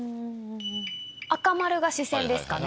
赤丸が視線ですかね。